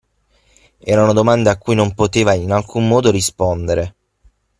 Erano domande a cui non poteva in alcun modo rispondere.